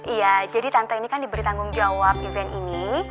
iya jadi tante ini kan diberi tanggung jawab event ini